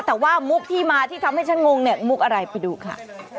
แต่ว่ามุกที่มาที่ทำให้ฉันงงเนี่ยมุกอะไรไปดูค่ะ